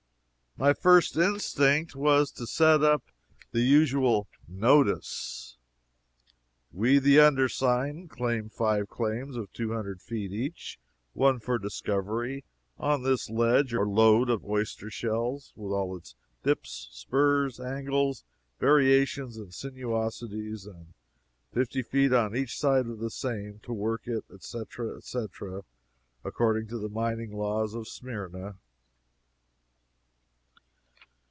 My first instinct was to set up the usual NOTICE: "We, the undersigned, claim five claims of two hundred feet each, (and one for discovery,) on this ledge or lode of oyster shells, with all its dips, spurs, angles, variations and sinuosities, and fifty feet on each side of the same, to work it, etc., etc., according to the mining laws of Smyrna."